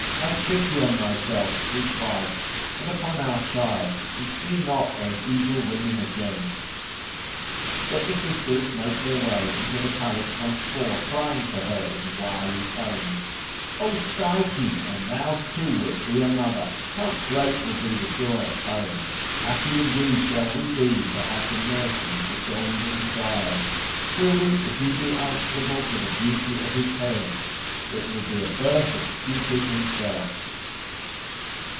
Have pity on thyself, sweet wife, and upon our child, and see not those evil women again." But the sisters make their way into the palace once more, crying to her in wily tones, "O Psyche! and thou too wilt be a mother! How great will be the joy at home! Happy indeed shall we be to have the nursing of the golden child. Truly if he be answerable to the beauty of his parents, it will be a birth of Cupid himself."